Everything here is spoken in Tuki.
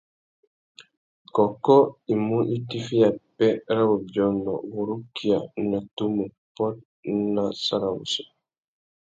Kôkô i mú itiffiya pêh râ wubiônô wurukia a nà tumu pôt nà sarawussi.